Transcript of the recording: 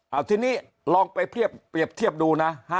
เอาทีนี้ลองไปเปรียบเทียบดูนะ